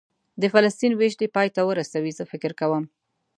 د فلسطین وېش دې پای ته ورسوي، زه فکر کوم.